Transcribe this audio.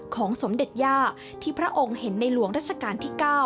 สมเด็จย่าที่พระองค์เห็นในหลวงรัชกาลที่๙